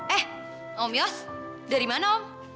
eh om yos dari mana